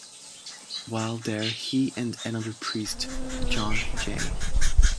While there he and another priest, John J.